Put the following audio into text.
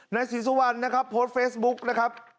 นายศรีสุวรรณนะครับโพสต์เฟซบุ๊กนะครับ